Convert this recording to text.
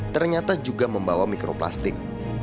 ternyata juga membawa mikroplastik